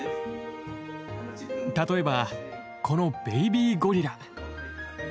例えばこのベイビーゴリラ。